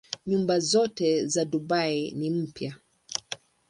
Nyumba zote za Dubai ni mpya.